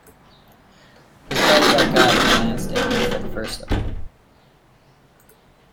His bright dark eyes glanced at me for the first time.